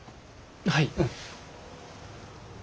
はい。